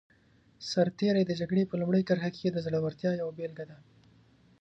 سرتېری د جګړې په لومړي کرښه کې د زړورتیا یوه بېلګه دی.